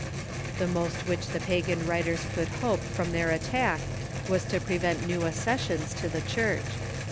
The most Avhich the pagan writers could hope from their attack was to prevent new accessions to the Church.